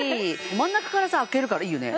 真ん中からさ開けるからいいよね。